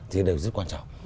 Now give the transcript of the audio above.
thì đều rất quan trọng